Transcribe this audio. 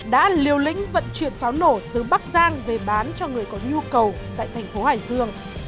đã liều lĩnh vận chuyển pháo nổ từ bắc giang về bán cho người có nhu cầu tại thành phố hải dương